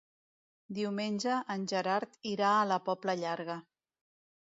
Diumenge en Gerard irà a la Pobla Llarga.